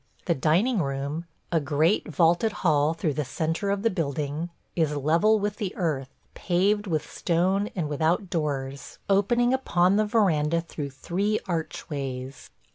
The dining room, a great vaulted hall through the centre of the building, is level with the earth, paved with stone and without doors, opening upon the veranda through three archways.